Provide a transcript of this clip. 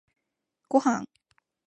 ごはん